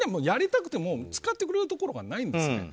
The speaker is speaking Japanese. やりたくても使ってくれるところがないんです。